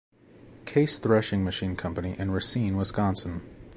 Case Threshing Machine Company in Racine, Wisconsin.